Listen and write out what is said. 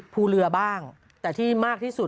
ภูเรือบ้างแต่ที่มากที่สุด